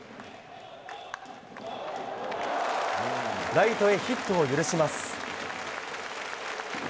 ライトへヒットを許します。